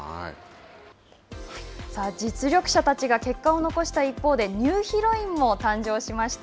実力者たちが結果を残した一方でニューヒロインも誕生しました。